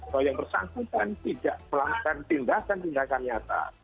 soal yang bersangkutan tidak melanggar tindakan tindakan nyata